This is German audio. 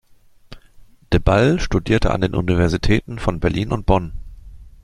De Ball studierte an den Universitäten von Berlin und Bonn.